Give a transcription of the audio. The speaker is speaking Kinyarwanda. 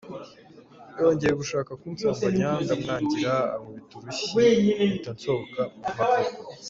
Yongeye gushaka kunsambanya ndamwangira, ankubita urushyi mpita nsohoka, mpava uko”.